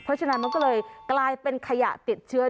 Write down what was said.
เพราะฉะนั้นมันก็เลยกลายเป็นขยะติดเชื้อ